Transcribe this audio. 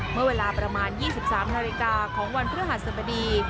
เมื่อเวลาประมาณ๒๓นาฬิกาของวันพฤหัสบดี